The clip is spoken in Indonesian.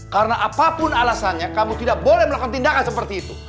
karena apapun alasannya kamu tidak boleh melakukan tindakan seperti itu